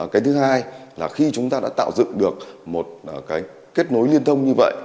cái thứ hai là khi chúng ta đã tạo dựng được một cái kết nối liên thông như vậy